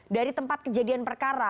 dari tempat kejadian perkara